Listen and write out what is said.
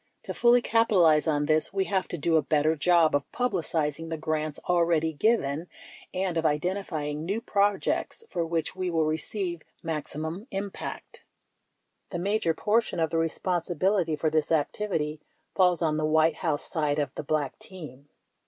To fully capitalize on this, we have to do a better job of publicizing the grants already given and of identifying new projects for which we will receive maximum impact. The major portion of the responsibility for this activity falls on the White House side of the Black team.